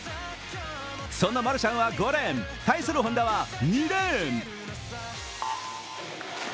そのマルシャンは５レーン、対する本多は２レーン。